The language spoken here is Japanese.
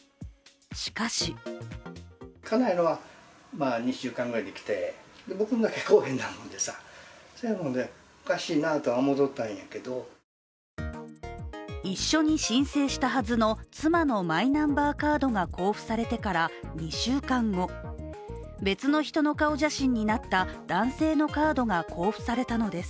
しかし一緒に申請したはずの妻のマイナンバーカードが交付されてから２週間後、別の人の顔写真になった男性のカードが交付されたのです。